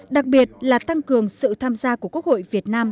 đặc biệt là tăng cường sự tham gia của quốc hội việt nam